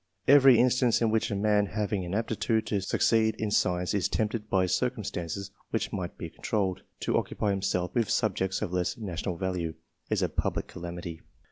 Every in stance in which a man having an aptitude to succeed in science,^ is tempted by circumstances which might be controlled, to occupy himself with subjects of less national value, is a public calamity.